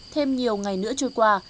thêm nhiều ngày nữa trôi qua